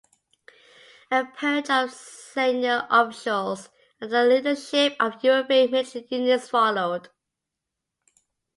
A purge of senior officials and the leadership of the European military units followed.